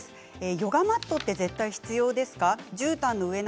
ヨガマットって絶対必要ですか？